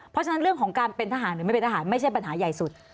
เพราะฉะนั้นเรื่องของการเป็นทหารหรือไม่เป็นทหารไม่ใช่ปัญหาใหญ่สุด